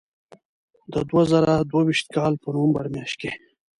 د دوه زره دوه ویشت کال په نومبر میاشت کې.